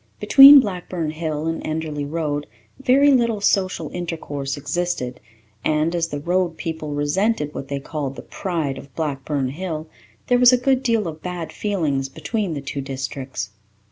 Between Blackburn Hill and Enderly Road very little social intercourse existed and, as the Road people resented what they called the pride of Blackburn Hill, there was a good deal of bad feeling between the two districts.